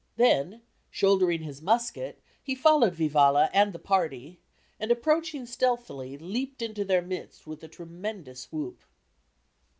Then, shouldering his musket he followed Vivalla and the party and, approaching stealthily, leaped into their midst with a tremendous whoop.